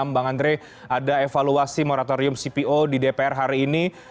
bang andre ada evaluasi moratorium cpo di dpr hari ini